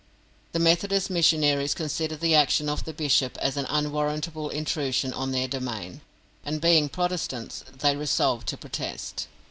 The Methodist missionaries considered the action of the bishop as an unwarrantable intrusion on their domain, and, being Protestants, they resolved to protest.